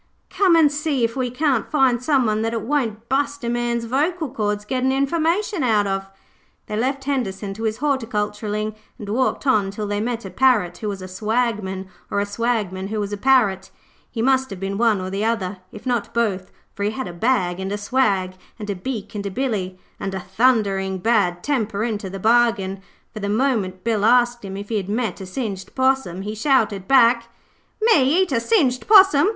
'Come an' see if we can't find someone that it won't bust a man's vocal cords gettin' information out of.' They left Henderson to his horticulturing and walked on till they met a Parrot who was a Swagman, or a Swagman who was a Parrot. He must have been one or the other, if not both, for he had a bag and a swag, and a beak, and a billy, and a thundering bad temper into the bargain, for the moment Bill asked him if he had met a singed possum he shouted back 'Me eat a singed possum!